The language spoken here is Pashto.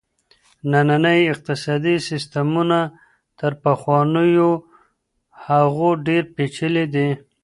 ننني اقتصادي سيستمونه تر پخوانيو هغو ډېر پېچلي دي.